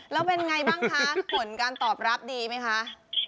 แล้วเป็นอย่างไรบ้างคะผลการตอบรับดีมั้ยคะ